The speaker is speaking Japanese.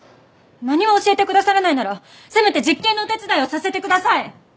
何も教えてくださらないならせめて実験のお手伝いをさせてください！